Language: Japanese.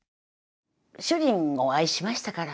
主人を愛しましたから。